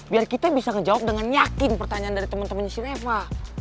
biar kita bisa ngejawab dengan yakin pertanyaan dari temen temennya si reva